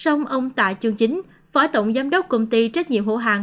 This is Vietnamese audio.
sông ông tạ chương chính phó tổng giám đốc công ty trách nhiệm hữu hàng